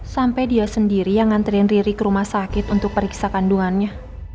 sampai dia sendiri yang ngantriin riri ke rumah sakit untuk periksa kandungannya